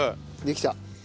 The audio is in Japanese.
できた。